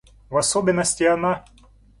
В особенности она...